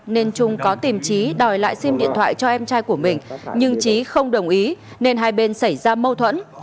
nên trung có tìm trí đòi lại sim điện thoại cho em trai của mình nhưng trí không đồng ý nên hai bên xảy ra mâu thuẫn